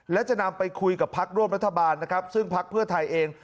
และจะนำไปคุยกับภาคร่วมรัฐบาลซึ่งภาคเพื่อไทยเอง